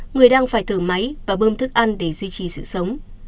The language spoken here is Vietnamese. người đang phải thở máy và bơm thức ăn để duy trì sự sống